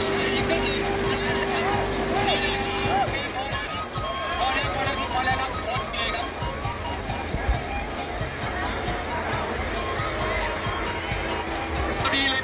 มาแล้วครับพี่น้อง